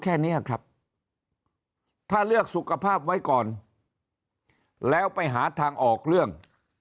แค่นี้ครับถ้าเลือกสุขภาพไว้ก่อนแล้วไปหาทางออกเรื่อง